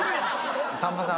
さんまさん